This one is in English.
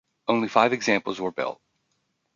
Only five examples were built.